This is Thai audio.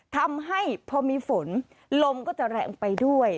ทำให้พอมีฝนลมก็จะแรงไปด้วย